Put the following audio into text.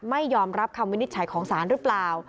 ไม่ยอมรับคำวินิจฉัยของศาลหรือเปล่า